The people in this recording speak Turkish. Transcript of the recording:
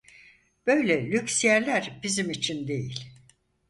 Böyle lüküs yerler bizim için değil!